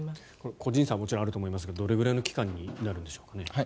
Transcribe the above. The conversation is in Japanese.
個人差はもちろんあると思いますけどどれくらいの期間になるんでしょうね？